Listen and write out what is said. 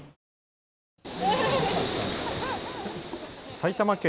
埼玉県